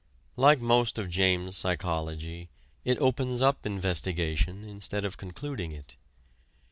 Like most of James's psychology, it opens up investigation instead of concluding it.